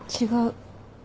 違う。